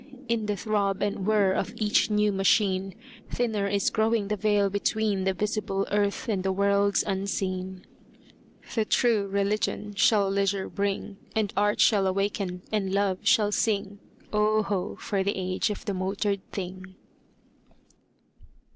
In the throb and whir of each new machine Thinner is growing the veil between The visible earth and the worlds unseen. The True Religion shall leisure bring; And Art shall awaken and Love shall sing: Oh, ho! for the age of the motored thing!